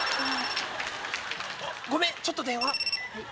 ごめんちょっと電話。